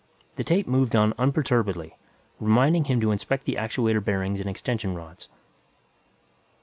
The tape moved on unperturbedly, reminding him to inspect the actuator bearings and extension rods.